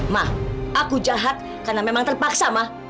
ma aku jahat karena memang terpaksa ma